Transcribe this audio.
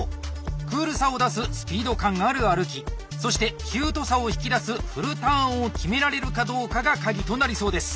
「クールさ」を出すスピード感ある歩きそして「キュートさ」を引き出すフルターンを決められるかどうかが鍵となりそうです。